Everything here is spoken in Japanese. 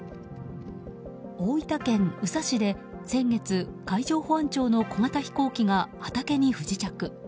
大分県宇佐市で先月、海上保安庁の小型飛行機が畑に不時着。